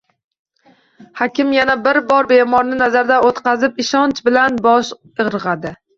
Hakim yana bir bor bemorni nazardan o`tkazib, ishnch bilan bosh irg`adi